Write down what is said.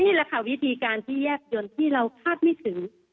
นี่แหละค่ะวิธีการที่แยกยนต์ที่เราคาดไม่ถึง